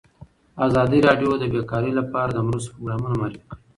ازادي راډیو د بیکاري لپاره د مرستو پروګرامونه معرفي کړي.